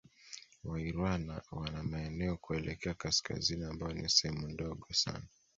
Wairwana wana maeneo kuelekea Kaskazini ambayo ni sehemu ndogo sana